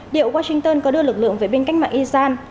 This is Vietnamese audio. điệu washington có đưa lực lượng về bênh cách mạng iran